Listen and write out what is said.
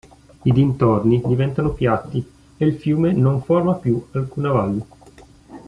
I dintorni diventano piatti e il fiume non forma più alcuna valle.